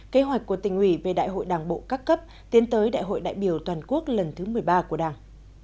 kế hoạch của tỉnh ủy về đại hội đảng bộ các cấp tiến tới đại hội đại biểu toàn quốc lần thứ một mươi ba của đảng